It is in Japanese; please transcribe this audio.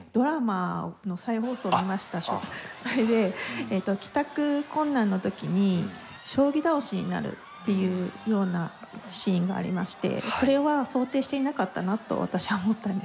それで帰宅困難の時に将棋倒しになるっていうようなシーンがありましてそれは想定していなかったなと私は思ったんです。